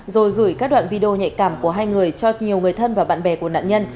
rồi gửi các đoạn video nhạy cảm của hai người cho nhiều người thân và bạn bè của nạn nhân